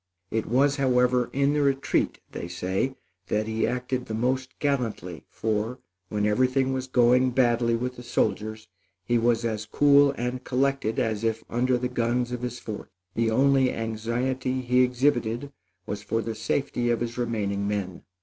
It was, however, in the retreat they say that he acted the most gallantly, for, when everything was going badly with the soldiers, he was as cool and collected as if under the guns of his fort. The only anxiety he exhibited was for the safety of his remaining men."